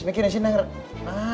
mikirin ndeng raya